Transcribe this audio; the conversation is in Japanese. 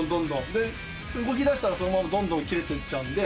で、動きだしたら、そのままどんどん切れていっちゃうんで。